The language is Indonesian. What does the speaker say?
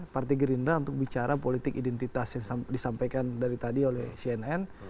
partai gerindra untuk bicara politik identitas yang disampaikan dari tadi oleh cnn